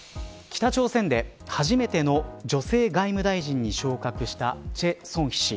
北朝鮮で初めての女性外務大臣に昇格した崔善姫氏